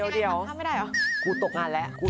เดี๋ยวกูตกงานแล้ว